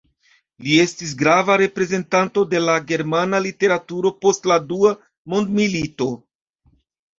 Li estis grava reprezentanto de la germana literaturo post la Dua mondmilito.